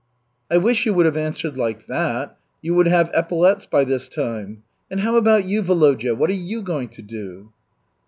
"I wish you would have answered like that. You would have epaulets by this time. And how about you, Volodya, what are you going to do?"